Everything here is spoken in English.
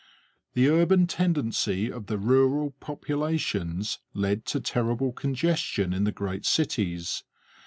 The urban tendency of the rural populations led to terrible congestion in the great cities.